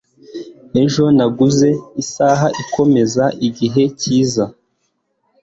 ejo naguze isaha ikomeza igihe cyiza